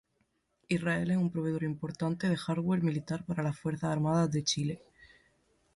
Israel es un proveedor importante de hardware militar para las Fuerzas Armadas de Chile.